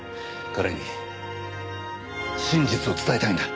彼に真実を伝えたいんだ。